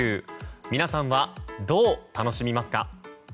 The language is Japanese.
皆さんは、どう楽しみますか？